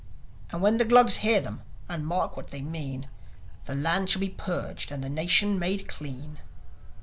And when the Glugs hear them and mark what they mean The land shall be purged and the nation made clean."'